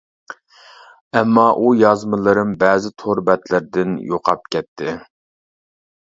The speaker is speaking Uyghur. ئەمما، ئۇ يازمىلىرىم بەزى تور بەتلىرىدىن يوقاپ كەتتى.